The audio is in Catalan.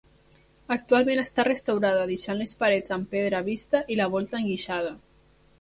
Actualment està restaurada deixant les parets amb pedra vista i la volta enguixada.